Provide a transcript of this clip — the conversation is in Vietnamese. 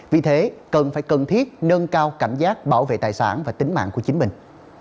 vì thế cần phải cần thiết nâng cao cảnh giác bảo vệ tài sản và tính mạng của chính mình